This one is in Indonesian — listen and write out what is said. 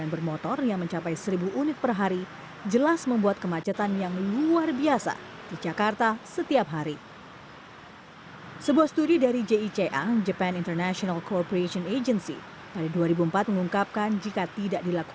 berikut laporannya untuk anda